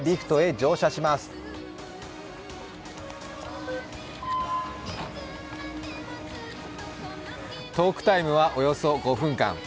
トークタイムはおよそ５分間。